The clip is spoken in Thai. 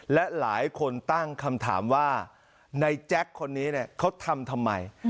และหลายคนตั้งคำถามว่าในแจ็คคนนี้เขาทำทำไม